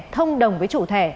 thông đồng với chủ thẻ